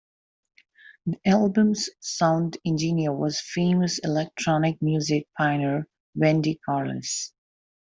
The album's sound engineer was famous electronic music pioneer Wendy Carlos.